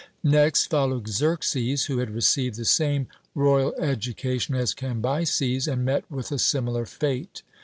Next followed Xerxes, who had received the same royal education as Cambyses, and met with a similar fate.